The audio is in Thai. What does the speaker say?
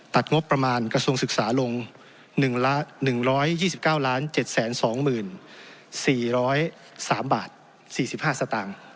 งบประมาณกระทรวงศึกษาลง๑๒๙๗๒๔๐๓บาท๔๕สตางค์